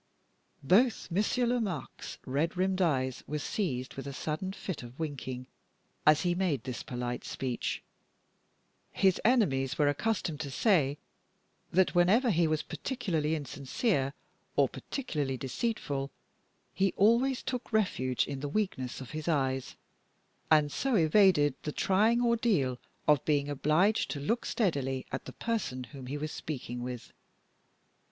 Both Monsieur Lomaque's red rimmed eyes were seized with a sudden fit of winking, as he made this polite speech. His enemies were accustomed to say that, whenever he was particularly insincere, or particularly deceitful, he always took refuge in the weakness of his eyes, and so evaded the trying ordeal of being obliged to look steadily at the person whom he was speaking with.